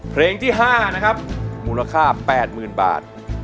เพลงที่๕นะครับมูลค่า๘๐๐๐บาท